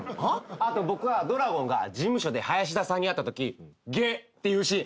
あと僕は虎魂が事務所で林田さんに会ったとき「げっ」って言うシーン。